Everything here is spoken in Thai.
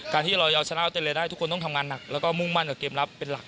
การที่เราเอาชนะออเตรเลียได้ทุกคนต้องทำงานหนักแล้วก็มุ่งมั่นกับเกมรับเป็นหลัก